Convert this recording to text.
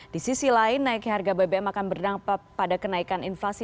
di sisi lain naiknya harga bbm akan berdampak pada kenaikan inflasi